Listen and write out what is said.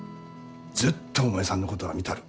ずっとお前さんのことは見たる。